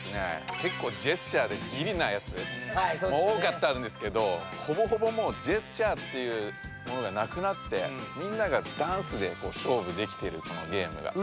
けっこうジェスチャーでギリなやつもおおかったんですけどほぼほぼもうジェスチャーっていうものがなくなってみんながダンスで勝負できてるこのゲームが。